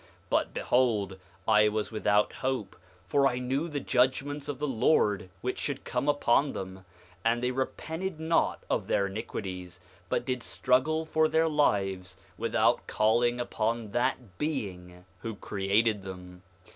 5:2 But behold, I was without hope, for I knew the judgments of the Lord which should come upon them; for they repented not of their iniquities, but did struggle for their lives without calling upon that Being who created them.